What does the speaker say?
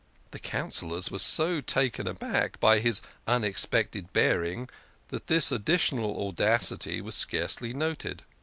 The Coun cillors were so taken aback by his unexpected bearing that this additional audacity was scarcely noted.